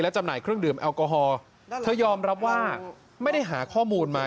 จำหน่ายเครื่องดื่มแอลกอฮอล์เธอยอมรับว่าไม่ได้หาข้อมูลมา